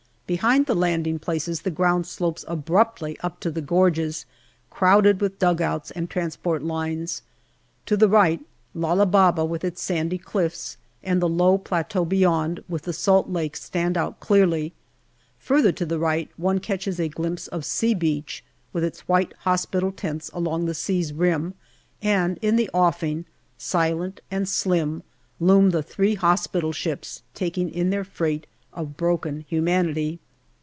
Behind the landing places the ground slopes abruptly up to the gorges, crowded with dugouts and transport lines. To the right, Lala Baba with its sandy cliffs and the low plateau beyond, with the Salt Lake, stand out clearly. Further to the right one catches a glimpse of " C " Beach, 240 GALLIPOLI DIARY with its white hospital tents along the sea's rim, and in the offing, silent and slim, loom the three hospital ships taking in their freight of broken humanity.